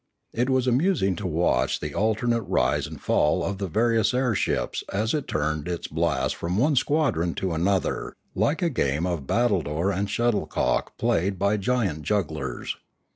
It was amusing to watch the alternate rise and fall of the various airships as it turned its blast from one squadron to another, like a game of battledoor and shuttlecock played by giant jug glers.